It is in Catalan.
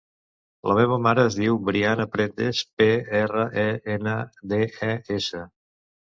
La meva mare es diu Briana Prendes: pe, erra, e, ena, de, e, essa.